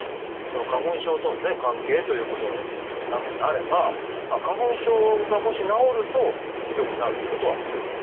その花粉症とのね関係ということなのであれば花粉症がもし治ると良くなるってことはありますか？